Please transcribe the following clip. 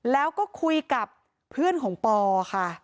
แล้วก็คุยกับเพื่อนของปอค่ะ